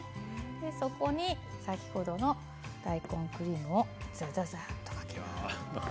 そこに先ほどの大根クリームをざざざっとかけます。